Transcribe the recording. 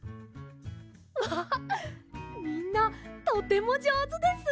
わあっみんなとてもじょうずです！